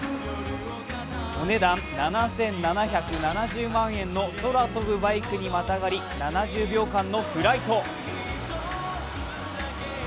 お値段７７７０万円の空飛ぶバイクにまたがり、７０秒間のフライト。